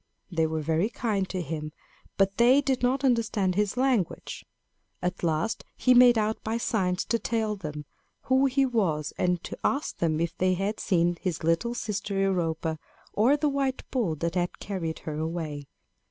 They were very kind to him, but they did not understand his language. At last he made out by signs to tell them who he was, and to ask them if they had seen his little sister Europa or the white bull that had carried her away.